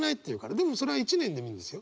でもそれは１年でもいいんですよ。